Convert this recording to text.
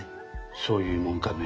そういうもんかね。